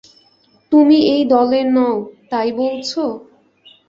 তুমি এই দলের নও, তাই বলছ?